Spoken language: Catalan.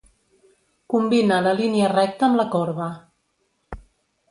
Combina la línia recta amb la corba.